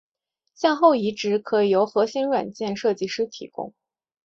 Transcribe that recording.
向后移植可以由核心软件设计师提供。